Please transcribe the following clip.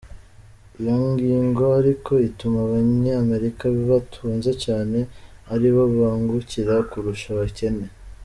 Iyo ngingo ariko ituma abanyamerika batunze cane aribo bahungukira kurusha abakene.